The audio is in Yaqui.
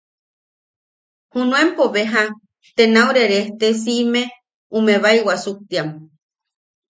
Junuenpo beja, te nau rerejte siʼime ume bai wasuktiam.